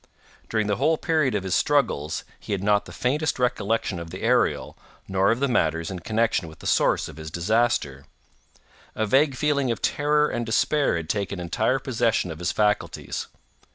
During the whole period of his struggles he had not the faintest recollection of the Ariel, nor of the matters in connexion with the source of his disaster. A vague feeling of terror and despair had taken entire possession of his faculties.